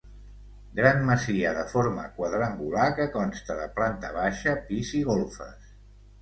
Gran masia de forma quadrangular que consta de planta baixa, pis i golfes.